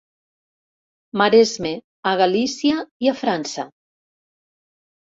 Maresme, a Galícia i a França!